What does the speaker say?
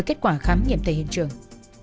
kết quả khám nghiệm tại hiện trường